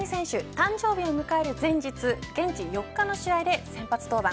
誕生日を迎える前日現地４日の試合で、先発登板。